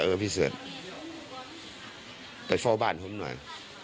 เออพี่เสือดไปเฝ้าบ้านฉันหน่อย